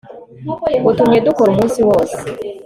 batumye dukora umunsi wose